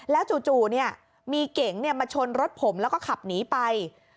แล้วจู่จู่เนี้ยมีเก๋งเนี้ยมาชนรถผมแล้วก็ขับหนีไป